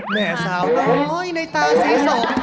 แม่สาวน้อยในตาสีสอง